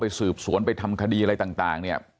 สืบสวนไปทำคดีอะไรต่างเนี่ย